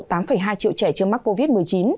tám hai triệu trẻ chưa mắc covid một mươi chín